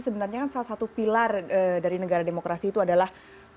sebenarnya kan salah satu pilar dari negara demokrasi itu adalah